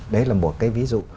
đấy là một cái ví dụ